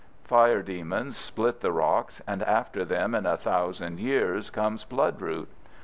Fire demons split the rocks, and after them in a thousand years comes bloodroot.